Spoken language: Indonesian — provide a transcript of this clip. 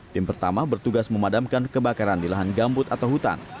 tim pertama bertugas memadamkan kebakaran di lahan gambut atau hutan